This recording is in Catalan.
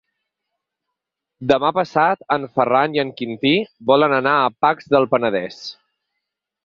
Demà passat en Ferran i en Quintí volen anar a Pacs del Penedès.